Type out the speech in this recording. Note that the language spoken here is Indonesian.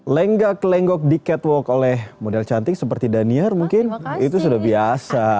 lenggak lenggok di catwalk oleh model cantik seperti daniar mungkin itu sudah biasa